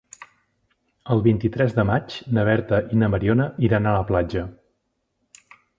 El vint-i-tres de maig na Berta i na Mariona iran a la platja.